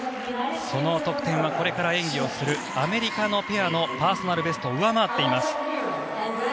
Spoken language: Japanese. その得点は、これから演技をするアメリカのペアのパーソナルベストを上回っています。